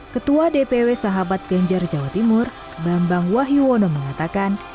ketua dpw sahabat ganjar jawa timur bambang wahyuwono mengatakan